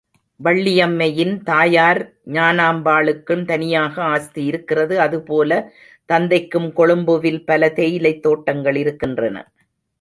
வள்ளியம்மையின் தாயார் ஞானம்பாளுக்கும் தனியாக ஆஸ்தி இருக்கிறது அதுபோல தந்தைக்கும் கொழும்புவில் பல தேயிலைத் தோட்டங்கள் இருக்கின்றன.